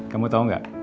kamu tau gak